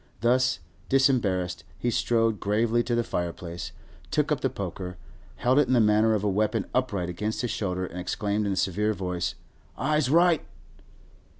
Thus disembarrassed, he strode gravely to the fireplace, took up the poker, held it in the manner of a weapon upright against his shoulder, and exclaimed in a severe voice, 'Eyes right!